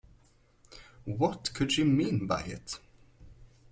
What could she mean by it?